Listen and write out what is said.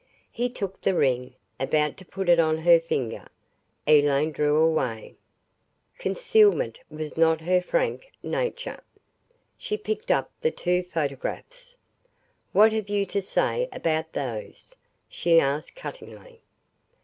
He took the ring, about to put it on her finger. Elaine drew away. Concealment was not in her frank nature. She picked up the two photographs. "What have you to say about those?" she asked cuttingly.